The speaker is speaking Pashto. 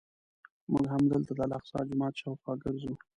موږ همدلته د الاقصی جومات شاوخوا ګرځو.